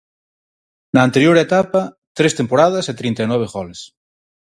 Na anterior etapa, tres temporadas e trinta e nove goles.